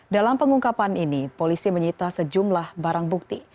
dalam pengungkapan ini polisi menyita sejumlah barang bukti